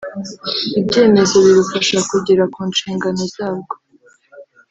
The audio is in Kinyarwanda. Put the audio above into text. ibyemezo birufasha kugera ku nshingano zarwo